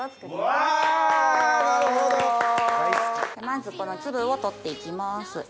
まずこの粒を取って行きます。